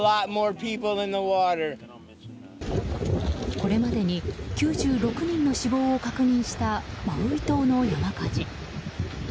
これまでに９６人の死亡を確認したマウイ島の山火事。